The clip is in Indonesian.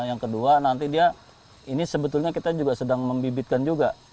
yang kedua nanti dia ini sebetulnya kita juga sedang membibitkan juga